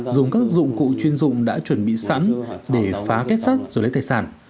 dùng các dụng cụ chuyên dụng đã chuẩn bị sẵn để phá kết sắt rồi lấy tài sản